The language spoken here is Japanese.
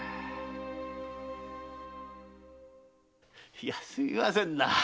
いやすみませんな。